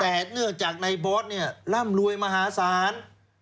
แต่เนื่องจากในบอสเนี่ยร่ำรวยมหาศาล